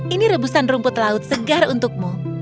ini rebusan rumput laut segar untukmu